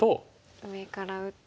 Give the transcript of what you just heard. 上から打って。